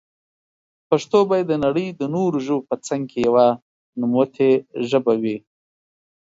پښتو بايد دنړی د نورو ژبو په څنګ کي يوه نوموتي ژبي وي.